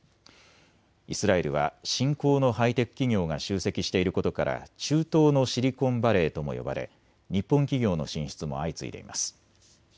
イスラエルは新興のハイテク企業が集積していることから中東のシリコンバレーとも呼ばれ日本企業の進出も相次いでいます。